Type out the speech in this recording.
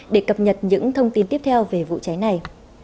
để cập nhật những thông tin tiếp theo về vụ cháy này